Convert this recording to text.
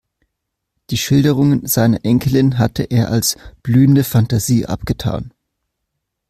Die Schilderungen seiner Enkelin hatte er als blühende Fantasie abgetan.